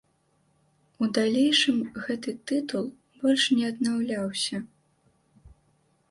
У далейшым гэты тытул больш не аднаўляўся.